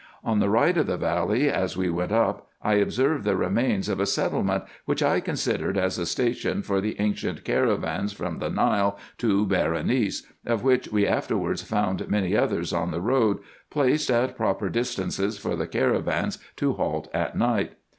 On the right of the valley as we went up I observed the remains of a settlement, which I considered as a station for the ancient caravans from the Nile to Berenice, of which we afterwards found many others on the road, placed at proper distances for the caravans to halt at night.